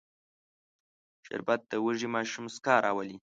شربت د وږي ماشوم موسکا راولي